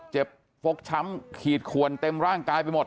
ฟกช้ำขีดขวนเต็มร่างกายไปหมด